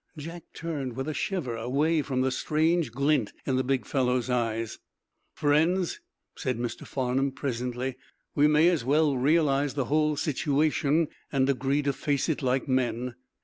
Jack turned, with a shiver, away from the strange glint in the big fellow's eyes. "Friends," said Mr. Farnum, presently, "we may as well realize the whole situation, and agree to face it like men.